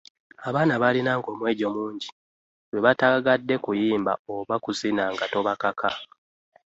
Abaana baalinanga omwejo mungi, lwe bataagadde kuyimba oba kuzina nga tobakaka.